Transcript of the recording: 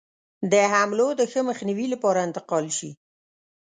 د حملو د ښه مخنیوي لپاره انتقال شي.